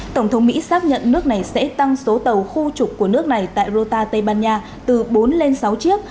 tổng thống mỹ xác nhận nước này sẽ tăng số tàu khu trục của nước này tại rota tây ban nha từ bốn lên sáu chiếc